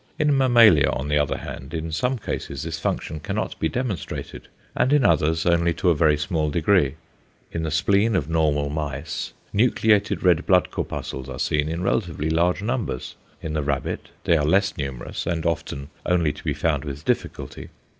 In mammalia on the other hand, in some cases this function cannot be demonstrated, and in others only to a very small degree. In the spleen of normal mice nucleated red blood corpuscles are seen in relatively large numbers; in the rabbit they are less numerous and often only to be found with difficulty.